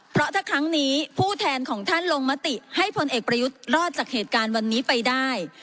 เพราะถ้าครั้งนี้ผู้แทนของท่านลงมติให้พลเอกประยุทธ์รอดจากเหตุการณ์วันนี้ไปได้